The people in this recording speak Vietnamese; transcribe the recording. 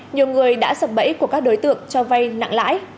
nhiều người đã sập bẫy của các đối tượng cho vay nặng lãi